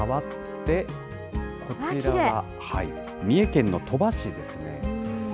三重県の鳥羽市ですね。